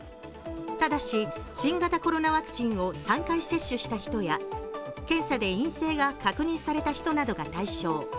ただし、新型コロナワクチンを３回接種した人や検査で陰性が確認された人などが対象。